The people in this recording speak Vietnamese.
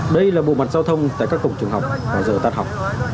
đây là bộ mặt giao thông tại các cổng trường học mà giờ tắt học